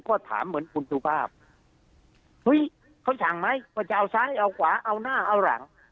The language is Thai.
ก็ถามเหมือนคุณสุภาพเฮ้ยเขาสั่งไหมว่าจะเอาซ้ายเอาขวาเอาหน้าเอาหลัง